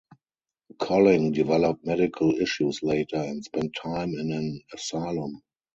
Colling developed medical issues later and spent time in an asylum.